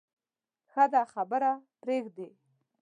ښه ده خبره پرېږدې.